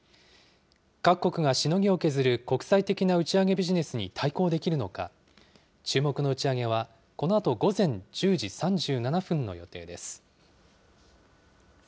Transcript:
各国がしのぎを削る国際的な打ち上げビジネスに対抗できるのか、注目の打ち上げはこのあと午前１０時３７分の予定です。